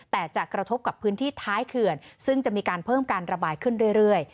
แต่จะกระทบกับพื้นที่ท้ายเขื่อนซึ่งจะมีการเพิ่มการระบายขึ้นเรื่อย